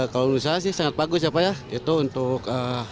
kalau menurut saya sih sangat bagus ya pak ya itu untuk